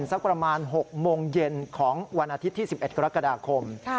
สักประมาณ๖โมงเย็นของวันอาทิตย์ที่๑๑กรกฎาคม